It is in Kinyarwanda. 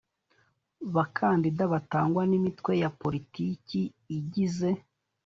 bakandida batangwa n’imitwe ya politiki igize